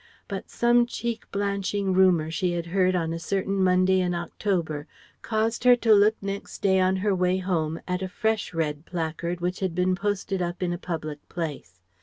But some cheek blanching rumour she had heard on a certain Monday in October caused her to look next day on her way home at a fresh Red Placard which had been posted up in a public place.